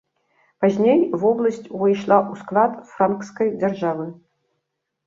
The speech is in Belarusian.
Пазней вобласць увайшла ў склад франкскай дзяржавы.